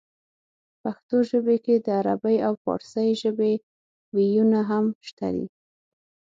پښتو ژبې کې د عربۍ او پارسۍ ژبې وييونه هم شته دي